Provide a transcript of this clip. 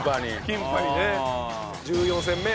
キンパにね。